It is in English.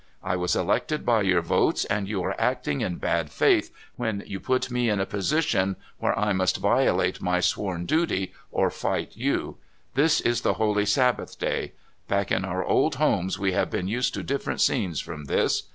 I was elected by your votes, and you are acting in bad faith when you put me in a position where 1 must violate my sworn duty or hght you. This is the holy Sabbath da}'. Back in our old homes we have been used to different scenes from this.